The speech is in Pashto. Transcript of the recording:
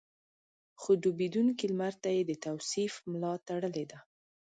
خو ډوبېدونکي لمر ته يې د توصيف ملا تړلې ده.